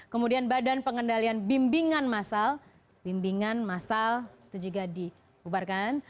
kemudian badan pengendalian bimbingan masal itu juga dibubarkan